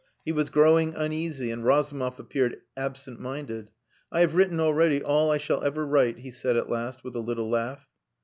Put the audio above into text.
He was growing uneasy, and Razumov appeared absent minded. "I have written already all I shall ever write," he said at last, with a little laugh.